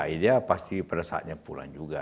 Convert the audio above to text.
iya pasti pada saatnya pulang juga